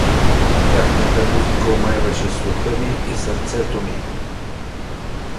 Тяхната музика омайваше слуха ми и сърцето ми.